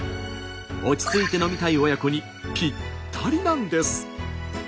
落ち着いて飲みたい親子にぴったりなんです。